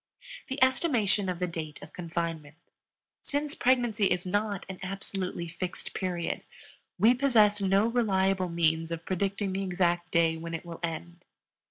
THE ESTIMATION OF THE DATE OF CONFINEMENT. Since pregnancy is not an absolutely fixed period, we possess no reliable means of predicting the exact day when it will end.